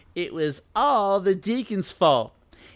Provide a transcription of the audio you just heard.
"It was all the deacon's fault.